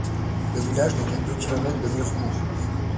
Le village n’est qu’à deux kilomètres de Mirecourt.